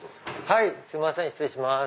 はいすいません失礼します。